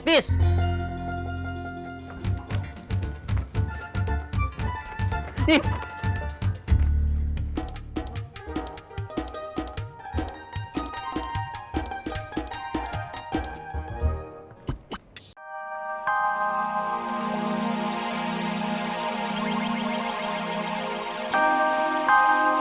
guaan air tadinya